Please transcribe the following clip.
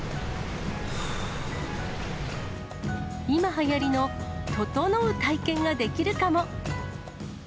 今はやりのととのう体験ができるかも。